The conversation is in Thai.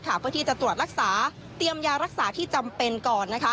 เพื่อที่จะตรวจรักษาเตรียมยารักษาที่จำเป็นก่อน